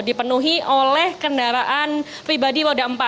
dipenuhi oleh kendaraan pribadi roda empat